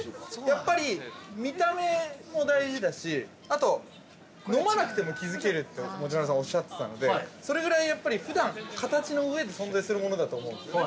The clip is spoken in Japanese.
◆やっぱり見た目も大事だしあと飲まなくて気づけるって持丸さんおっしゃっていたので、それぐらい、ふだん形の上で存在するものだと思うんですね。